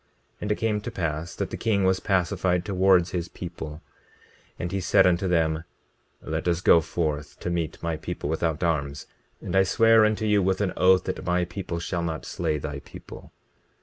20:24 And it came to pass that the king was pacified towards his people; and he said unto them: Let us go forth to meet my people, without arms; and I swear unto you with an oath that my people shall not slay thy people.